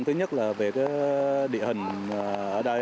thứ nhất là về địa hình ở đây